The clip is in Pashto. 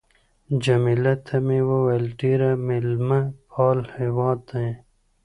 جميله ته مې وویل: ډېر مېلمه پال هېواد دی.